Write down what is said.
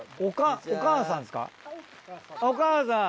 お母さん。